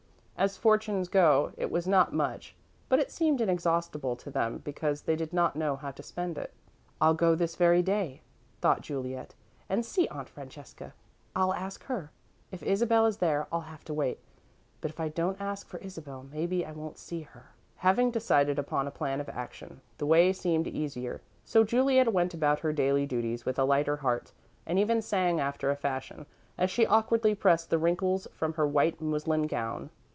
As fortunes go, it was not much, but it seemed inexhaustible to them because they did not know how to spend it. "I'll go this very day," thought Juliet, "and see Aunt Francesca. I'll ask her. If Isabel is there, I'll have to wait, but if I don't ask for Isabel, maybe I won't see her." Having decided upon a plan of action, the way seemed easier, so Juliet went about her daily duties with a lighter heart, and even sang after a fashion, as she awkwardly pressed the wrinkles from her white muslin gown.